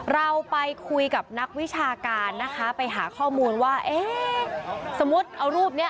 เราไปคุยกับนักวิชาการนะคะไปหาข้อมูลว่าเอ๊ะสมมุติเอารูปนี้